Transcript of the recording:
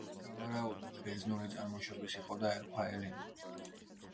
სავარაუდოდ ბერძნული წარმოშობის იყო და ერქვა ელენა.